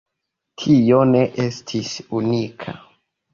Tio ne estis unika.